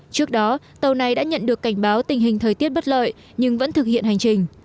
trước đó tàu này đã nhận được cảnh báo tình hình thời tiết bất lợi nhưng vẫn thực hiện hành trình